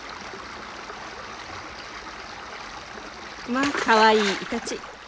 まあかわいいイタチ！